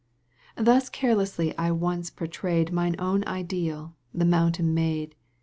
Thus carelessly I once portrayed Mine own ideal, the mountain maid.